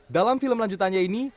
dalam film lanjutannya ini